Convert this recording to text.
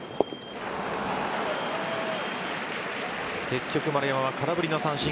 結局、丸山は空振りの三振。